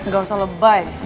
gak usah lebay